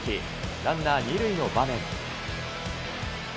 ランナー２塁の場面。